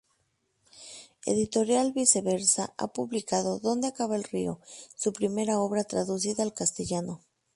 Editorial Viceversa ha publicado "Donde acaba el río", su primera obra traducida al castellano.